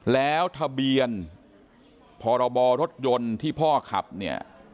แล้วทะเบียนพรบรถยนต์ที่พ่อขับเนี่ย